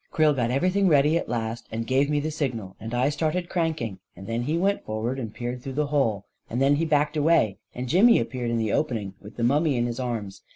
Creel got everything ready, at last, and gave me the signal, and I started cranking, and then he went 238 A KING IN BABYLON 239 forward and peered through the hole; and then he backed away, and Jimmy appeared in the opening with the mummy in his arms.